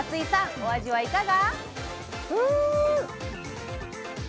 お味はいかが？